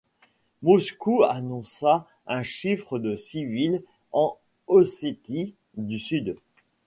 Moscou annonça un chiffre de civiles en Ossétie du Sud.